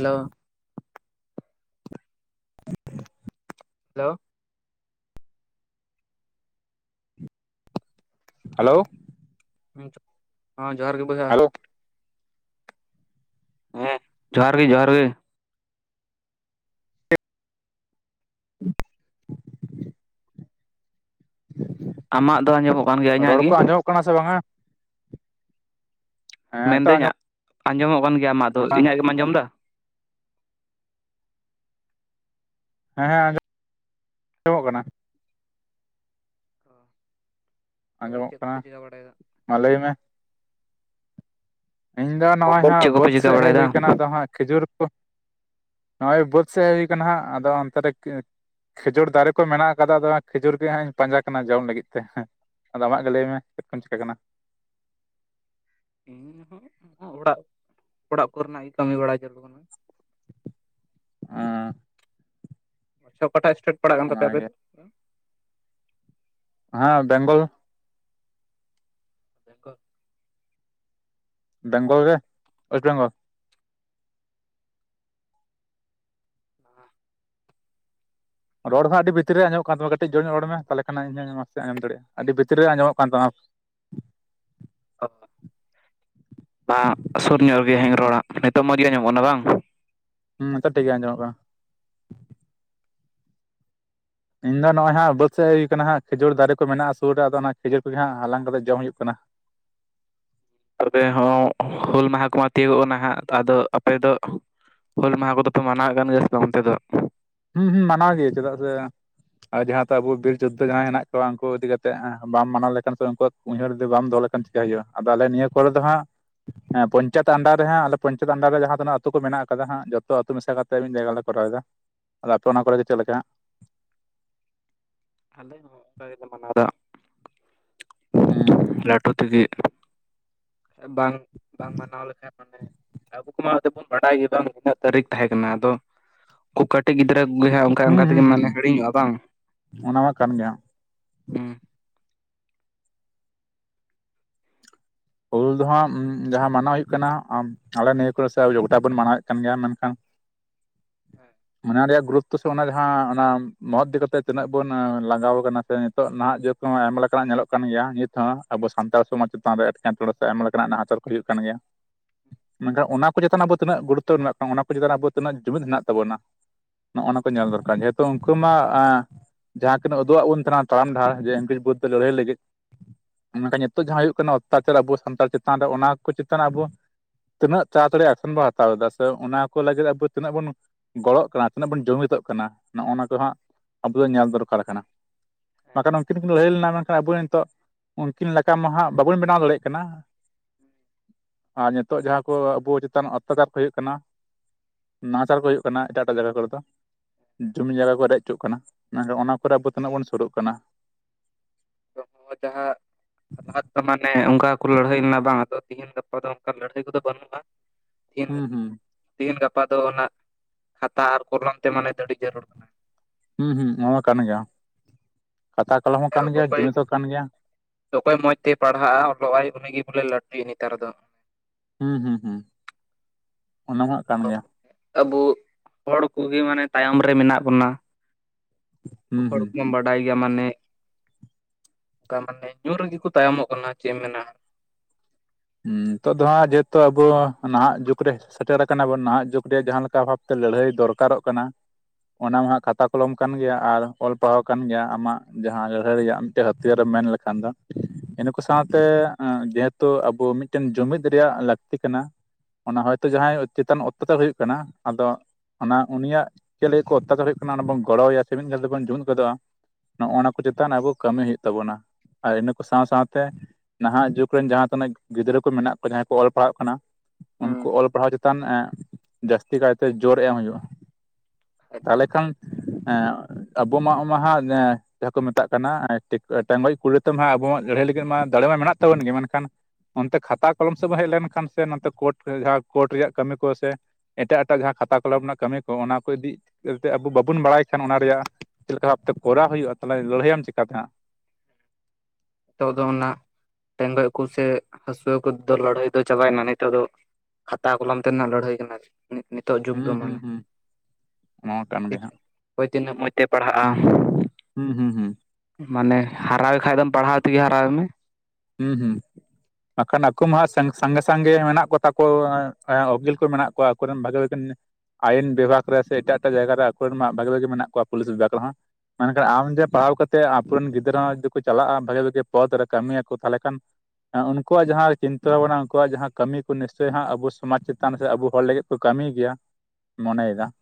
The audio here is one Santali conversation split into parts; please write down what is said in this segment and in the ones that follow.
ᱦᱮᱞᱳ? ᱦᱮᱞᱳ, ᱦᱟᱞᱳ ᱦᱚᱸ ᱡᱚᱦᱟᱨ ᱜᱮ ᱵᱚᱭᱦᱟ᱾ ᱦᱮᱞᱳ ᱦᱮᱸ ᱡᱚᱦᱟᱨ ᱜᱮ ᱡᱚᱦᱟᱨ ᱜᱮ᱾ [inaudible] ᱟᱢᱟᱜ ᱫᱚ ᱟᱸᱡᱚᱢᱚᱜ ᱠᱟᱱ ᱜᱮᱭᱟ ᱤᱧᱟᱹᱜ ᱨᱚᱲ ᱜᱤ? [unintelligible] ᱠᱟᱱᱟ ᱥᱮ ᱵᱟᱝᱟ᱾ ᱦᱮᱸ ᱱᱤᱛᱚᱜ ᱢᱮᱱᱫᱟᱹᱧ ᱟᱸᱡᱚᱢᱚᱜ ᱟᱸᱡᱚᱢᱚᱜ ᱠᱟᱱ ᱜᱮᱭᱟ ᱟᱢᱟᱜᱫᱚ ᱠᱟᱱᱟ ᱤᱧᱟᱹᱜ ᱜᱮᱢ ᱟᱸᱡᱚᱢ ᱫᱟ᱾ ᱦᱮᱸᱻᱟᱸᱡᱚᱢ, ᱟᱸᱡᱚᱢᱚᱜ ᱠᱟᱱᱟ᱾ ᱛᱚᱵᱮ ᱟᱸᱡᱚᱢᱚᱜ ᱪᱮᱫ ᱠᱟᱱᱟ ᱠᱚᱯᱮ ᱪᱤᱠᱟᱹ ᱵᱟᱲᱟᱭᱮᱫᱟ ᱢᱟ ᱞᱟᱹᱭ ᱢᱮ᱾ ᱤᱧᱫᱚ ᱱᱚᱜᱼᱚᱭ ᱦᱟᱸᱜ ᱪᱮᱫ ᱠᱚᱯᱮ ᱵᱟᱹᱫᱽ ᱪᱤᱠᱟᱹ ᱥᱮᱜ ᱦᱮᱜ ᱵᱟᱲᱟᱭᱮᱫᱟ ᱦᱩᱭ ᱠᱟᱱᱟ, ᱟᱫᱚ ᱦᱟᱸᱜ ᱠᱷᱤᱡᱩᱨ ᱠᱚ, ᱱᱚᱜᱼᱚᱭ ᱵᱟᱹᱫᱽ ᱥᱮᱜ ᱦᱮᱜ ᱦᱩᱭ ᱠᱟᱱᱟ ᱦᱟᱸᱜ ᱟᱫᱚ ᱚᱱᱛᱮ ᱨᱮᱜᱮ, ᱠᱷᱮᱡᱩᱨ ᱫᱟᱨᱮ ᱠᱚ ᱢᱮᱱᱟᱜ ᱠᱟᱫᱟ ᱟᱫᱚ ᱠᱷᱮᱡᱩᱨ ᱜᱮ ᱦᱟᱸᱜ ᱤᱧ ᱯᱟᱸᱡᱟ ᱠᱟᱱᱟ ᱡᱚᱢ ᱞᱟᱹᱜᱤᱫ ᱛᱮ ᱦᱮᱸ ᱟᱫᱚ ᱟᱢᱟᱜ ᱜᱮ ᱞᱟᱹᱭ ᱢᱮ ᱪᱮᱫ ᱠᱚᱢ ᱪᱤᱠᱟ ᱠᱟᱱᱟ? ᱤᱧ ᱦᱚᱸ ᱚᱲᱟᱜ ᱚᱲᱟᱜ ᱠᱚᱨᱮᱱᱟᱜ ᱜᱮ ᱠᱟᱹᱢᱤ ᱵᱟᱲᱟ ᱡᱟᱹᱲᱩᱨ ᱠᱟᱱᱟ᱾ ᱟᱸ, ᱟᱪᱪᱷᱟ ᱚᱠᱟᱴᱟᱜ ᱤᱥᱴᱮᱴ ᱯᱟᱲᱟᱜ ᱠᱟᱱ ᱛᱟᱯᱮ ᱟᱯᱮ ᱚᱱᱟᱜᱮ ᱫᱚ᱾ ᱦᱟᱸ ᱵᱮᱝᱜᱚᱞ᱾ ᱵᱮᱝᱜᱚᱞ, ᱵᱮᱝᱜᱚᱞ ᱨᱮ ᱳᱭᱮᱥᱴ ᱵᱮᱝᱜᱚᱞ᱾ ᱦᱚᱸ ᱨᱚᱲ ᱦᱚᱸ ᱟᱹᱰᱤ ᱵᱷᱤᱛᱤᱨ ᱨᱮ ᱟᱸᱡᱚᱢᱚᱜ ᱠᱟᱱ ᱛᱟᱢᱟ ᱠᱟᱹᱴᱤᱜ ᱡᱳᱨᱧᱚᱜ ᱨᱚᱲ ᱢᱮ ᱛᱟᱞᱮ ᱠᱷᱟᱱᱮ ᱤᱧ ᱦᱚᱧ ᱢᱚᱡᱽ ᱛᱮ ᱟᱡᱚᱢ ᱫᱟᱲᱮᱜᱼᱟ, ᱟᱹᱰᱤ ᱵᱷᱤᱛᱨᱤ ᱨᱮ ᱟᱸᱡᱚᱢᱚᱜ ᱠᱟᱱ ᱛᱟᱢᱟ᱾ ᱚᱻᱵᱟᱝ ᱥᱩᱨ ᱧᱚᱜ ᱨᱮᱜᱮ ᱦᱮᱧ ᱨᱚᱲᱟᱜ ᱱᱤᱛᱚᱜ ᱢᱚᱡᱽ ᱜᱮ ᱟᱸᱡᱚᱢᱚᱜ ᱠᱟᱱᱟ ᱵᱟᱝ᱾ ᱦᱩᱸ ᱱᱤᱛᱚᱜ ᱴᱷᱤᱠ ᱜᱮ ᱟᱸᱡᱚᱢᱚᱜ ᱠᱟᱱᱟ ᱾ ᱤᱧ ᱫᱚ ᱱᱚᱜᱼᱚᱭ ᱦᱟᱸᱜ ᱵᱟᱹᱫᱽ ᱥᱮᱜ ᱦᱮᱜ ᱦᱩᱭ ᱠᱟᱱᱟ ᱦᱟᱸᱜ ᱠᱷᱤᱡᱩᱨ ᱫᱟᱨᱮ ᱠᱚ ᱢᱮᱱᱟᱜᱼᱟ, ᱥᱩᱨ ᱨᱮ ᱟᱫᱚ ᱚᱱᱟ ᱠᱷᱤᱡᱩᱨ ᱠᱚ ᱜᱮ ᱦᱟᱸᱜ ᱦᱟᱞᱟᱝ ᱠᱟᱛᱮᱜ ᱡᱚᱢ ᱦᱩᱭᱩᱜ ᱠᱟᱱᱟ᱾ ᱛᱚᱵᱮ ᱦᱚᱸ ᱦᱩᱞ ᱢᱟᱦᱟᱸ ᱠᱚᱢᱟ ᱛᱤᱭᱳᱜᱚᱜ ᱠᱟᱱᱟ, ᱦᱟᱸᱜ ᱟᱫᱚ ᱟᱯᱮ ᱫᱚ, ᱦᱩᱞ ᱢᱟᱦᱟᱸ ᱠᱚᱫᱚ ᱯᱮ ᱢᱮᱱᱟᱣᱮᱜ ᱠᱟᱱᱜᱮᱭᱟ ᱠᱟᱱ ᱥᱮ ᱵᱟᱝ ᱚᱱᱛᱮ ᱫᱚ᱾ ᱦᱩᱸ ᱦᱩᱸ ᱢᱟᱱᱟᱣ ᱜᱮ ᱪᱮᱫᱟᱜ ᱥᱮ, ᱟᱨ ᱡᱟᱦᱟᱸ ᱛᱚ ᱟᱵᱚ ᱵᱤᱨ ᱡᱳᱫᱫᱷᱟ ᱡᱟᱦᱟᱸᱭ ᱦᱮᱱᱟᱜ ᱠᱚᱣᱟ, ᱩᱱᱠᱩ ᱤᱫᱤ ᱠᱟᱛᱮᱜ ᱵᱟᱢ ᱢᱟᱱᱟᱣ ᱞᱮᱠᱷᱟᱱ ᱥᱮ ᱩᱱᱠᱩ, ᱩᱭᱦᱟᱹᱨ ᱡᱩᱫᱤ ᱵᱟᱢ ᱫᱚᱦᱚ ᱞᱮᱠᱷᱟᱱ ᱪᱮᱠᱟᱹᱭ ᱦᱩᱭᱩᱜᱼᱟ᱾ ᱟᱫᱚ ᱟᱞᱮ ᱱᱤᱭᱟᱹ ᱠᱚᱨᱮ ᱫᱚ ᱦᱟᱸᱜ, ᱦᱮᱸ ᱯᱚᱧᱪᱟᱭᱮᱛ ᱟᱱᱰᱟᱨ ᱨᱮ ᱦᱟᱸᱜ ᱟᱞᱮ ᱯᱚᱧᱪᱟᱭᱮᱛ ᱟᱱᱰᱟᱨ ᱨᱮ ᱡᱟᱦᱟᱸ ᱛᱤᱱᱟᱹᱜ ᱟᱹᱛᱩ ᱠᱚ ᱢᱮᱱᱟᱜ ᱟᱠᱟᱫᱟ ᱦᱟᱸᱜ, ᱡᱚᱛᱚ ᱟᱛᱳ ᱢᱮᱥᱟ ᱠᱟᱛᱮ ᱢᱤᱫ ᱡᱟᱭᱜᱟ ᱞᱮ ᱠᱚᱨᱟᱣᱮᱫᱟ᱾ ᱟᱫᱚ ᱟᱯᱮ ᱚᱱᱟ ᱠᱚᱨᱮᱜᱮ ᱪᱮᱫ ᱞᱮᱠᱟ? ᱟᱞᱮ ᱦᱚᱸ ᱚᱝᱠᱟ ᱜᱮᱞᱮ ᱢᱟᱱᱟᱣ ᱫᱟ ᱦᱩᱸ ᱞᱟᱹᱴᱩ ᱛᱤᱜᱤ᱾ ᱵᱟᱝ ᱵᱟᱝ ᱢᱟᱱᱟᱣ ᱞᱮᱠᱷᱟᱱ ᱢᱟᱱᱮ ᱟᱵᱩ ᱠᱚᱢᱟ, ᱡᱚᱛᱚ ᱠᱚᱵᱩᱝ ᱵᱟᱰᱟᱭ ᱜᱮ ᱵᱟᱝ ᱤᱱᱟᱹᱜ ᱛᱟᱹᱨᱤᱠᱷ ᱛᱟᱦᱮᱸ ᱠᱟᱱᱟ᱾ᱟᱫᱚ ᱩᱱᱠᱩ ᱠᱟᱹᱴᱤᱜ ᱜᱤᱫᱽᱨᱟᱹ ᱠᱚᱜᱮ ᱦᱟᱸᱜ, ᱚᱱᱠᱟ ᱦᱩᱸ ᱚᱱᱠᱟ ᱛᱮᱜᱮᱢ ᱦᱩᱸ ᱦᱩᱸ ᱢᱟᱱᱮ ᱦᱤᱲᱤᱧᱚᱜᱼᱟ ᱵᱟᱝ ᱚᱱᱟ ᱢᱟ ᱠᱟᱱ ᱜᱮ ᱦᱟᱸᱜ ᱾ᱦᱩᱸ, ᱦᱩᱞ ᱫᱚ ᱦᱟᱸᱜ ᱡᱟᱦᱟᱸ ᱢᱟᱱᱟᱣ ᱦᱩᱭᱩᱜ ᱠᱟᱱᱟ ᱟᱢ ᱟᱞᱮ ᱱᱤᱭᱟᱹ ᱠᱚᱨᱮ ᱥᱮ ᱜᱚᱴᱟ ᱵᱚᱱ ᱢᱟᱱᱟᱣᱮᱫ ᱠᱟᱱ ᱜᱮᱭᱟ᱾ ᱢᱮᱱᱠᱷᱟᱱ ᱦᱮᱸ ᱚᱱᱟ ᱨᱮᱭᱟᱜ ᱜᱩᱨᱩᱛᱛᱚ ᱥᱮ ᱚᱱᱟ ᱡᱟᱦᱟᱸ ᱚᱱᱟ ᱢᱚᱦᱚᱛ ᱮᱫᱤ ᱠᱟᱛᱮ ᱛᱤᱱᱟᱹᱜ ᱵᱚᱱ ᱞᱟᱸᱟᱜᱟᱣ ᱠᱟᱱᱟ ᱥᱮ, ᱱᱤᱛᱚᱜ ᱱᱟᱦᱟᱜ ᱡᱩᱜᱽᱦ ᱟᱭᱢᱟ ᱞᱮᱠᱟᱱᱟᱜ ᱧᱮᱞᱚᱜ ᱠᱟᱱ ᱜᱮᱭᱟ᱾ ᱱᱤᱛ ᱦᱚᱸ ᱟᱵᱚ ᱥᱟᱱᱛᱟᱲ ᱥᱚᱢᱟᱡᱽ ᱪᱮᱛᱟᱱ ᱨᱮ ᱮᱴᱠᱮᱴᱚᱬᱮ ᱥᱮ ᱟᱭᱢᱟ ᱞᱮᱠᱟᱱᱟᱜ ᱱᱟᱦᱟᱪᱟᱨ, ᱠᱚ ᱦᱩᱭᱩᱜ ᱠᱟᱱ ᱜᱮᱭᱟ᱾ ᱢᱮᱱᱠᱷᱟᱱ ᱚᱱᱟ ᱪᱮᱛᱟᱱ ᱟᱵᱚ ᱛᱤᱱᱟᱹᱜ ᱜᱩᱨᱩᱛᱚ ᱢᱮᱱᱟᱜ ᱠᱚ ᱚᱱᱟ ᱠᱚ ᱪᱮᱛᱟᱱ ᱟᱵᱚ ᱛᱤᱱᱟᱹᱜ ᱡᱩᱢᱤᱫ ᱢᱮᱱᱟᱜ ᱛᱟᱵᱚᱱᱟ᱾ ᱱᱚᱜᱼ ᱱᱚᱣᱟ ᱠᱚ ᱧᱮᱞ ᱫᱚᱨᱠᱟᱨ᱾ᱡᱮᱦᱮᱛᱩ ᱩᱱᱠᱩ ᱢᱟ, ᱡᱟᱦᱟᱸ ᱠᱤᱱ ᱩᱫᱩᱜ ᱟᱜ ᱵᱚᱱ ᱛᱟᱦᱮᱱᱟ ᱛᱟᱲᱟᱢ ᱰᱟᱦᱟᱨ ᱡᱮ ᱤᱝᱨᱟᱸᱡ ᱵᱤᱨᱩᱫᱽ ᱛᱮ ᱞᱟᱹᱲᱦᱟᱹᱭ ᱞᱟᱹᱜᱤᱫ᱾ ᱢᱮᱱᱠᱷᱟᱱ ᱱᱤᱛᱚᱜ ᱡᱟᱦᱟᱸ ᱦᱩᱭᱩᱜ ᱠᱟᱱᱟ ᱚᱛᱛᱟᱪᱟᱨ ᱟᱵᱚ ᱥᱟᱱᱛᱟᱲ ᱪᱮᱛᱟᱱ ᱨᱮ᱾ ᱚᱱᱟ ᱠᱚ ᱪᱮᱛᱟᱱ ᱟᱵᱚ, ᱛᱤᱱᱟᱹᱜ ᱛᱟᱲᱟ ᱛᱟᱲᱤ ᱮᱠᱥᱮᱱ ᱵᱚᱱ ᱦᱟᱛᱟᱣ ᱮᱫᱟ᱾ᱥᱮ ᱚᱱᱟ ᱠᱚ ᱞᱟᱹᱜᱤᱫ ᱟᱵᱚ ᱛᱤᱱᱟᱹᱜ ᱵᱩᱱ ᱜᱚᱲᱚᱜ ᱠᱟᱱᱟ ᱛᱤᱱᱟᱹᱜ ᱵᱚᱱ ᱡᱩᱢᱤᱫᱚᱜ ᱠᱟᱱᱟ ᱱᱚᱜᱼᱱᱟ ᱠᱚ ᱦᱟᱸᱜ ᱟᱵᱚ ᱫᱚ ᱧᱮᱞ ᱫᱚᱨᱠᱟᱨ ᱠᱟᱱᱟ᱾ ᱵᱟᱠᱷᱟᱱ ᱩᱱᱠᱤᱱ ᱠᱤᱱ ᱞᱟᱹᱲᱦᱟᱹᱭ ᱞᱮᱱᱟ᱾ ᱢᱮᱱᱠᱷᱟᱱ ᱟᱵᱚ ᱱᱤᱛᱚᱜ ᱩᱱᱠᱤᱱ ᱞᱮᱠᱟ ᱢᱟ ᱦᱟᱸᱜ ᱵᱟᱵᱚᱱ ᱵᱮᱱᱟᱣ ᱫᱟᱲᱮᱭᱟᱜ ᱠᱟᱱᱟ᱾ ᱟ ᱱᱤᱛᱳᱜ ᱡᱟᱦᱟᱸ ᱠᱚ ᱟᱵᱚ ᱪᱮᱛᱟᱱ ᱚᱛᱛᱟᱪᱟᱨ ᱠᱚ ᱦᱩᱭᱩᱜ ᱠᱟᱱᱟ, ᱱᱟᱦᱟᱪᱟᱨ ᱠᱚ ᱦᱩᱭᱩᱜ ᱠᱟᱱᱟ ᱮᱴᱟᱜ ᱮᱴᱟᱜ ᱡᱟᱭᱜᱟ ᱠᱚᱨᱮ ᱫᱚ᱾ ᱡᱩᱢᱤ ᱡᱟᱜᱟ ᱠᱚ ᱨᱮᱡ ᱦᱚᱪᱚᱜ ᱠᱟᱱᱟ᱾ ᱢᱮᱱᱠᱷᱟᱱ ᱚᱱᱟ ᱠᱚᱨᱮ ᱟᱵᱚ ᱛᱤᱱᱟᱹᱜ ᱵᱚᱱ ᱥᱩᱨᱳᱜ ᱠᱟᱱᱟ᱾ ᱛᱚ ᱡᱟᱦᱟᱸ ᱞᱟᱦᱟ ᱛᱮ ᱢᱟᱱᱮ ᱚᱱᱠᱟ ᱠᱚ ᱞᱟᱹᱲᱦᱟᱹᱭ ᱞᱮᱱᱟ ᱵᱟᱝ᱾ ᱟᱫᱚ ᱛᱤᱦᱤᱧ ᱜᱟᱯᱟ ᱫᱚ ᱚᱱᱠᱟ ᱞᱟᱹᱲᱦᱟᱹᱭ ᱠᱚᱫᱚ ᱵᱟᱹᱱᱩᱜᱼᱟ᱾ ᱛᱤᱦᱤᱧ ᱦᱩᱸ ᱦᱩᱸ ᱛᱤᱦᱮᱧ ᱜᱟᱯᱟ ᱫᱚ ᱚᱱᱟ ᱠᱷᱟᱛᱟ ᱟᱨ ᱠᱚᱞᱚᱢ ᱛᱮ ᱢᱟᱱᱮ ᱫᱟᱹᱰᱤ ᱡᱟᱹᱨᱩᱲ ᱦᱩᱸ ᱦᱩᱸ ᱱᱚᱣᱟ ᱦᱚᱸ ᱠᱟᱱ ᱜᱮᱭᱟ᱾ ᱠᱷᱛᱟ ᱠᱚᱞᱚᱢ ᱦᱚᱸ ᱠᱟᱱ ᱜᱮᱭᱟ ᱚᱠᱚᱭ ᱡᱩᱢᱤᱫ ᱦᱚᱸ ᱠᱟᱱ ᱜᱮᱭᱟ᱾ ᱚᱠᱚᱭ ᱢᱚᱸᱡ ᱛᱮᱭ ᱯᱟᱲᱦᱟᱜᱼᱟ ᱚᱞᱚᱜᱼ ᱟᱭ ᱩᱱᱤᱜᱮ ᱵᱚᱞᱮ ᱞᱟᱹᱴᱩᱭᱟ ᱱᱮᱛᱟᱨ ᱫᱚ᱾ ᱦᱩᱸ ᱦᱩᱸ ᱦᱩᱸ ᱚᱱᱟ ᱢᱟ ᱠᱟᱱ ᱜᱮᱭᱟ᱾ ᱟᱵᱩ ᱦᱚᱲ ᱠᱚᱜᱮ ᱢᱟᱱᱮ ᱛᱟᱭᱚᱢ ᱨᱮ ᱢᱮᱱᱟᱜ ᱵᱚᱱᱟ᱾ ᱦᱩᱸ ᱦᱚᱲ ᱦᱩᱸ ᱠᱚᱢᱟᱢ ᱵᱟᱰᱟᱭ ᱜᱮᱭᱟ, ᱢᱟᱱᱮ ᱚᱱᱠᱟ ᱢᱟᱱᱮ ᱧᱩ ᱨᱮᱜᱮ ᱠᱚ ᱛᱟᱭᱚᱢᱚᱜ ᱠᱟᱱᱟ᱾ ᱪᱮᱫ ᱢᱮᱱᱟ, ᱦᱩᱸ, ᱱᱤᱛᱚᱜ ᱫᱚ ᱦᱟᱸᱜ ᱡᱮᱦᱮᱛᱩ ᱟᱵᱚ ᱱᱟᱦᱟᱜ ᱡᱩᱜ ᱨᱮ ᱥᱮᱴᱮᱨ ᱠᱟᱱᱟ ᱵᱚᱱ ᱱᱟᱦᱟᱸᱜ ᱡᱩᱜ ᱨᱮ ᱡᱟᱦᱟᱸ ᱞᱮᱠᱟ ᱵᱷᱟᱵᱛᱮ ᱞᱟᱹᱲᱦᱟᱹᱭ ᱫᱚᱨᱠᱟᱨᱚᱜ ᱠᱟᱱᱟ, ᱚᱱᱟ ᱢᱟ ᱦᱟᱜ ᱠᱷᱟᱛᱟ ᱠᱚᱞᱚᱢ ᱠᱟᱱ ᱜᱮᱭᱟ ᱟᱨ ᱚᱞ ᱯᱟᱲᱦᱟᱣ ᱠᱟᱱ ᱜᱮᱭᱟ᱾ ᱟᱢᱟᱜ ᱡᱟᱦᱟᱸ ᱞᱟᱹᱲᱦᱟᱹᱭ ᱨᱮᱭᱟᱜ ᱢᱤᱫᱴᱮᱡ ᱦᱟᱹᱛᱭᱟᱹᱨᱮ ᱢᱮᱱ ᱞᱮᱠᱷᱟᱱ ᱫᱚ ᱤᱱᱟᱹᱠᱩ ᱥᱟᱶᱛᱮ ᱡᱮᱦᱮᱛᱩ ᱟ ᱵᱩ ᱢᱤᱫᱴᱮᱱ ᱡᱩᱢᱤᱫ ᱨᱮᱭᱟᱜ ᱞᱟᱹᱠᱛᱤ ᱠᱟᱱᱟ, ᱚᱱᱟ ᱦᱚᱭᱛᱳ ᱡᱟᱦᱟᱸᱭ ᱪᱮᱛᱟᱱ ᱚᱛᱛᱟᱪᱟᱨ ᱦᱳᱭ ᱠᱟᱱᱟ, ᱟᱫᱚ ᱚᱱᱟ ᱩᱱᱤᱭᱟᱜ ᱪᱮᱫ ᱠᱚ ᱚᱛᱛᱟᱪᱟᱨ ᱦᱩᱭᱩᱜ ᱠᱟᱱᱟ ᱚᱱᱟ ᱵᱚᱱ ᱜᱚᱲᱚᱣᱟᱼᱭᱟ ᱥᱮ ᱢᱤᱫ ᱜᱷᱟᱹᱲ ᱛᱮᱵᱚᱱ ᱡᱩᱛ ᱜᱚᱫᱚᱜᱼᱟ, ᱱᱚᱜᱼᱱᱟ ᱠᱚ ᱪᱮᱛᱟᱱ ᱟᱵᱚ ᱠᱟᱹᱢᱤ ᱦᱩᱭᱩᱜ ᱛᱟᱵᱚᱱᱟ᱾ ᱦᱳᱭ ᱱᱩᱠᱩ ᱥᱟᱶ ᱥᱟᱶᱛᱮ ᱱᱟᱦᱟᱸᱜ ᱡᱩᱜ ᱨᱮᱱ ᱡᱟᱦᱟᱸ ᱛᱤᱱᱟᱹᱜ ᱜᱤᱫᱽᱨᱟᱹ ᱠᱚ ᱢᱮᱱᱟᱜ ᱠᱚᱣᱟ᱾ ᱡᱟᱦᱟᱸᱭ ᱠᱚ ᱚᱞ ᱯᱟᱲᱦᱟᱜ ᱠᱟᱱᱟ ᱩᱱᱠᱩ ᱚᱞ ᱯᱟᱲᱦᱟᱣ ᱪᱮ ᱛᱟᱱ ᱡᱟᱹᱥᱛᱤ ᱠᱟᱭᱛᱮ ᱡᱳᱨ ᱮᱢ ᱦᱩᱭᱳᱜᱼᱟ᱾ ᱵᱟᱠᱷᱟᱡ ᱫᱚ ᱛᱟᱦᱚᱞᱮ ᱠᱷᱟᱱ ᱮᱸᱜ ᱟᱵᱚ ᱢᱟ ᱚᱱᱟ ᱢᱟ ᱮᱸ ᱡᱟᱦᱟᱸ ᱠᱚ ᱢᱮᱛᱟᱜ ᱠᱟᱱᱟ ᱴᱮ ᱴᱮᱜᱚᱡ ᱠᱩᱲᱤ ᱛᱮᱢᱟ ᱟᱵᱚᱣᱟᱜ ᱞᱟᱹᱲᱦᱟᱹᱭ ᱞᱟᱹᱜᱤᱫ ᱢᱟ ᱫᱟᱲᱮ ᱢᱟ ᱢᱮᱱᱟᱜ ᱛᱟᱵᱚᱱ ᱜᱮ᱾ ᱢᱮᱱᱠᱷᱟᱱ ᱚᱱᱛᱮ ᱠᱷᱟᱛᱟ ᱠᱚᱞᱚᱢ ᱥᱮᱫ ᱵᱟᱝ ᱦᱮᱡ ᱞᱮᱱᱠᱷᱟᱱ ᱥᱮ, ᱱᱚᱛᱮ ᱠᱳᱴ ᱡᱟᱦᱟᱸ ᱠᱳᱨᱴ ᱨᱮᱭᱟᱜ ᱠᱟᱹᱢᱤ ᱠᱚ ᱥᱮ ᱮᱴᱟᱜ ᱮᱴᱟᱜ ᱡᱟᱦᱟᱸ ᱠᱷᱟᱛᱟ ᱠᱚᱞᱚᱢ ᱨᱮᱱᱟᱜ ᱠᱟᱹᱢᱤ ᱠᱚ ᱚᱱᱟ ᱠᱚ ᱤᱫᱤ ᱠᱟᱛᱮᱫ ᱟᱵᱚ ᱵᱟᱵᱚᱱ ᱵᱟᱲᱟᱭ ᱠᱷᱟᱱ, ᱚᱱᱟ ᱨᱮᱭᱟᱜ ᱪᱮᱫ ᱞᱮᱠᱟ ᱵᱷᱟᱵᱛᱮ ᱠᱚᱨᱟ ᱦᱩᱭᱩᱜᱼᱟ ᱛᱟᱦᱚᱞᱮ ᱞᱟᱹᱲᱦᱟᱹᱭᱟᱢ ᱪᱤᱠᱟᱛᱮ ᱦᱟᱸᱜ᱾ ᱱᱤᱛᱚᱜ ᱫᱚ ᱚᱱᱟ ᱴᱮᱸᱜᱚᱡ ᱠᱚ ᱥᱮ ᱦᱟᱹᱥᱩᱭᱟᱹ ᱠᱚᱫᱚ ᱞᱟᱹᱲᱦᱟᱹᱭ ᱫᱚ ᱪᱟᱵᱟᱭᱱᱟ, ᱱᱤᱛᱚᱜ ᱫᱚ ᱠᱷᱟᱛᱟ ᱠᱚᱞᱚᱢ ᱛᱮ ᱨᱮᱱᱟᱜ ᱞᱟᱹᱲᱦᱟᱹᱭ ᱠᱟᱱᱟᱠᱤ᱾ ᱦᱩᱸ ᱦᱩᱸ ᱦᱩᱸ, ᱱᱚᱣᱟ ᱠᱟᱱ ᱜᱮ ᱦᱟᱸᱜ᱾ ᱚᱠᱚᱭ ᱛᱤᱱᱟᱹᱜ ᱢᱚᱡ ᱛᱮ ᱯᱟᱲᱦᱟᱜᱼᱟ, ᱦᱩᱸ ᱦᱩᱸ ᱦᱩᱸ᱾ ᱢᱟᱱᱮ ᱦᱟᱨᱟᱭᱮ ᱠᱷᱟᱡ ᱫᱚ ᱯᱟᱲᱦᱟᱣ ᱛᱮᱜᱮ ᱦᱟᱨᱟᱭᱮ ᱢᱮ, ᱦᱩᱸ ᱦᱩᱸ᱾ ᱵᱟᱠᱷᱟᱱ ᱟᱠᱚ ᱢᱟ ᱥᱟᱸᱜᱮ ᱥᱟᱸᱜᱮ ᱢᱮᱱᱟᱜ ᱠᱚᱛᱟ ᱠᱚ ᱩᱠᱤᱞ ᱠᱚ ᱢᱮᱱᱟᱜ ᱠᱚᱣᱟ ᱟᱠᱚᱨᱮᱱ ᱵᱷᱟᱜᱤ ᱵᱷᱟᱜᱤ ᱟᱭᱤᱱ ᱵᱤᱵᱷᱟᱜ ᱨᱮ ᱥᱮ ᱮᱴᱟᱜ ᱮᱴᱟᱜ ᱡᱟᱭᱜᱟ ᱨᱮ ᱟᱠᱚᱨᱮᱱᱢᱟ ᱵᱷᱟᱹᱜᱤ ᱵᱷᱟᱜᱤ ᱢᱮᱱᱟᱜ ᱠᱚᱣᱟ ᱯᱩᱞᱤᱥ ᱵᱤᱵᱷᱟᱜ ᱨᱮᱦᱚᱸ᱾ ᱢᱮᱱᱠᱷᱟᱱ ᱟᱢ ᱡᱮ ᱯᱟᱲᱦᱟᱣ ᱠᱟᱛᱮᱫ ᱟᱛᱩᱨᱮᱱ ᱜᱤᱫᱽᱨᱟᱹ ᱦᱚᱸ ᱡᱩᱫᱤ ᱠᱚ ᱪᱟᱞᱟᱜᱼᱟ ᱵᱷᱟᱜᱤ ᱵᱷᱟᱜᱤ ᱯᱚᱫ ᱨᱮ ᱠᱟᱹᱢᱤᱭᱟ ᱠᱚ ᱛᱟᱦᱞᱮ ᱠᱟᱱ ᱩᱱᱠᱩᱣᱟᱜ ᱡᱟᱦᱟᱸ ᱪᱤᱱᱛᱟᱹ ᱵᱷᱟᱵᱱᱟ ᱩᱝᱠᱩᱭᱟᱜ ᱡᱟᱸᱦᱟ ᱠᱟᱹᱢᱤ ᱠᱚ ᱱᱤᱥᱪᱳᱭ ᱦᱟᱸᱜ ᱟᱵᱚ ᱥᱚᱢᱟᱡ ᱪᱮᱛᱟᱱ ᱨᱮ ᱟᱵᱚ ᱦᱚᱲ ᱞᱟᱹᱜᱤᱫ ᱠᱚ ᱠᱟᱹᱢᱤᱭ ᱜᱮᱭᱟ ᱢᱚᱱᱮᱭᱮᱫᱟ ᱾